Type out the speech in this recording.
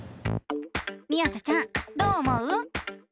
みあさちゃんどう思う？